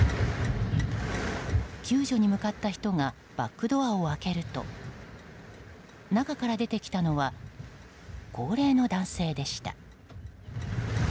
救助に向かった人がバックドアを開けると中から出てきたのは高齢の男性でした。